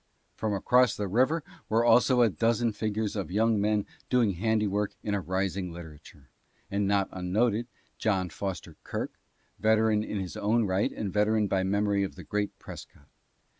From across the river were also a dozen figures of young men do ing handiwork in a rising literature, and not unnoted John Fos ter Kirk, veteran in his own right and veteran by memory of the great Prescott.